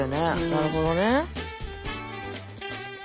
なるほどね。